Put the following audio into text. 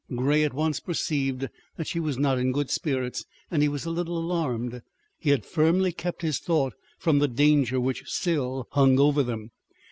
Grey at once perceived that she was not in good spirits, and he was a little alarmed. He had firmly kept his thought from the danger which still hung over them.